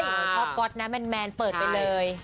เขาชอบก๊อตนะแมนเปิดไปเลย